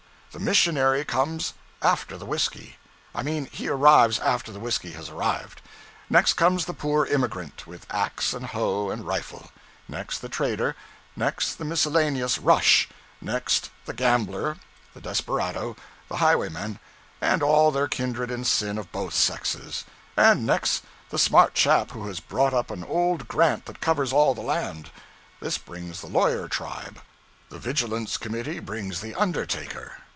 The missionary comes after the whiskey I mean he arrives after the whiskey has arrived; next comes the poor immigrant, with ax and hoe and rifle; next, the trader; next, the miscellaneous rush; next, the gambler, the desperado, the highwayman, and all their kindred in sin of both sexes; and next, the smart chap who has bought up an old grant that covers all the land; this brings the lawyer tribe; the vigilance committee brings the undertaker.